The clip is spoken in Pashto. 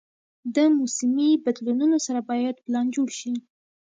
د موسمي بدلونونو سره باید پلان جوړ شي.